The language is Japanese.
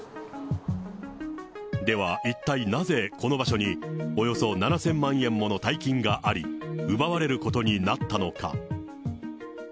では一体なぜ、この場所におよそ７０００万円もの大金があり、奪われることになったのか。